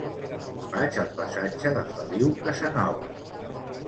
Vaig al passatge de Feliu Casanova.